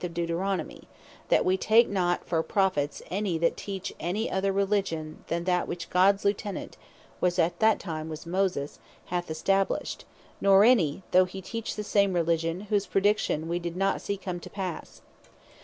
of Deuteronomy; That wee take not any for Prophets, that teach any other Religion, then that which Gods Lieutenant, (which at that time was Moses,) hath established; nor any, (though he teach the same Religion,) whose Praediction we doe not see come to passe.